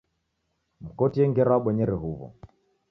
Mkotie ngera wabonyere huwo